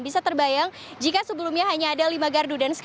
bisa terbayang jika sebelumnya hanya ada lima gardu